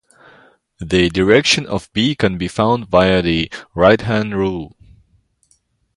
The direction of B can be found via the right-hand rule.